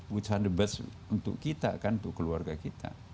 which on the best untuk kita kan untuk keluarga kita